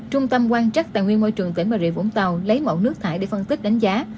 trung tâm quan trắc tài nguyên môi trường tỉnh bà rịa vũng tàu lấy mẫu nước thải để phân tích đánh giá